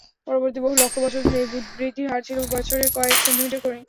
পরবর্তী বহু লক্ষ বছর ধরে এই বৃদ্ধির হার ছিল বছরে কয়েক সেন্টিমিটার করে।